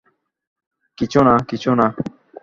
কিছু না, কিছু না।